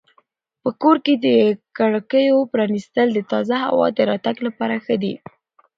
په کور کې د کړکیو پرانیستل د تازه هوا د راتګ لپاره ښه دي.